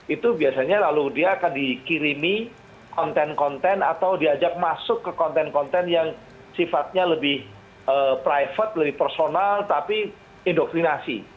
itu biasanya lalu dia akan dikirimi konten konten atau diajak masuk ke konten konten yang sifatnya lebih private lebih personal tapi indoktrinasi